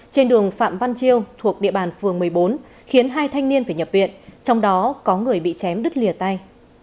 trên đường phạm văn triêu thuộc địa bàn phường một mươi bốn khiến hai thanh niên phải nhập viện trong đó có người bị chém đứt lìa tay